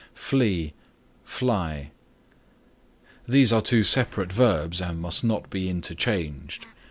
FLEE FLY These are two separate verbs and must not be interchanged.